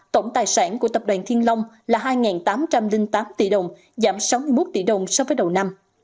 tổng tài sản của tập đoàn thiên long là hai tám trăm linh tám tỷ đồng giảm sáu mươi một tỷ đồng so với đầu năm